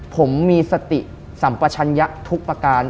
ผมมีสติสัมปชัญญะทุกประการ